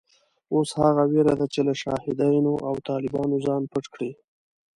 اوس هغه وېرېده چې له شهادیانو او طالبانو ځان پټ کړي.